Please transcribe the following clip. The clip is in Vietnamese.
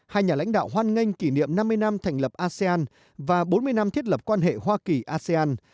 hai nhà lãnh đạo hoan nghênh kỷ niệm năm mươi năm thành lập asean và bốn mươi năm thiết lập quan hệ hoa kỳ asean